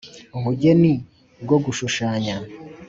- ubugeni bwo gushushanya: